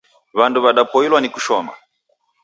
Wandu wadapoilwa ni kushoma.